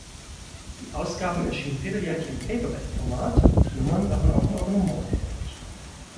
Die Ausgaben erschienen vierteljährlich im Paperback-Format, die Nummern waren auch im Abonnement erhältlich.